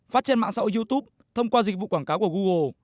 phát trên mạng xã hội youtube thông qua dịch vụ quảng cáo của google